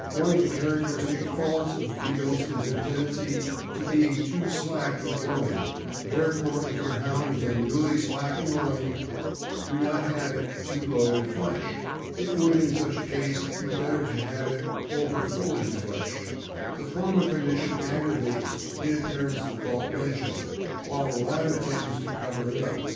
One of the characteristic faults of Bea gles is their tendency to being too slack in loin; therefore, if your Hound is unduly slack in loin, do not have it too low in flesh. It would, in such a case, be better to have it over full in flesh. The former condition aggravates in ap pearance the fault mentioned, while the latter tends to cover it up.